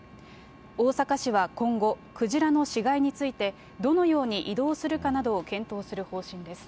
大阪市は今後、クジラの死骸について、どのように移動するかなどを検討する方針です。